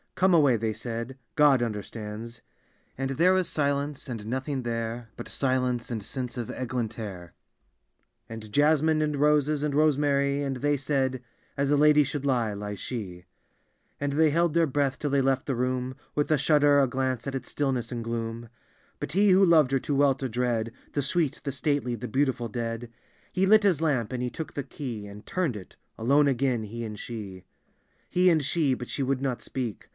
" Come away," they said, " God understands." And there was silence, and nothing there But silent and scents of ^anter^ D,gt,, erihyGOOgle ) Tke Haunted Hour And jaanine, and roses and roscmarr, And they said: " As a lady should lie, lies slic." And they held their breath till they left the room, With a shudder, a glance at its stillness and glcxun. But he who loved her too well to dread The sweet, the stately, the beautiful dead, He lit his lamp, and he took the key And turned it — alone again, he and she. He and she ; but she would not speak.